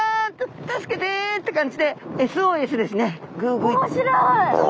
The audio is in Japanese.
助けて！って感じでＳＯＳですね。